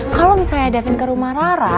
kalo misalnya da vin ke rumah rara